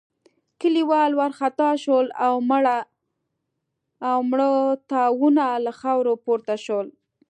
کليوال وارخطا شول او مړه تاوونه له خاورو پورته شول.